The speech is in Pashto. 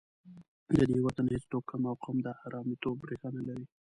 د دې وطن هېڅ توکم او قوم د حرامیتوب ریښه نه لري.